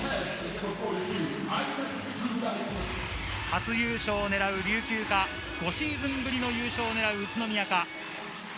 初優勝をねらう琉球か、５シーズンぶりの優勝をねらう宇都宮か。